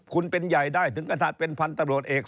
คุณเป็นใหญ่ได้ถึงกระถาดเป็นพันธุ์ตำรวจเอก